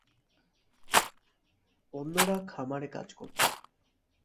অন্যরা খামারে কাজ করত।